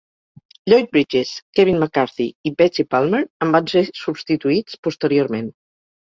Lloyd Bridges, Kevin McCarthy i Betsy Palmer en van ser substituts posteriorment.